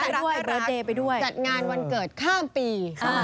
เขาก็จัดรักจัดงานวันเกิดข้ามปี